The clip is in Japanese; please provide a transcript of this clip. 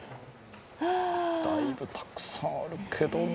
だいぶたくさんあるけどな。